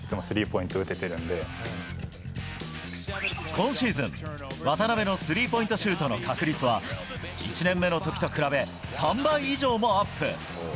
今シーズン、渡邊のスリーポイントシュートの確率は１年目の時と比べ３倍以上もアップ。